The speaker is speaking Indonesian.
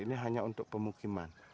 ini hanya untuk pemukiman